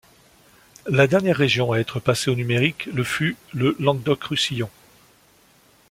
La dernière région à être passée au numérique le fut le Languedoc Roussillon.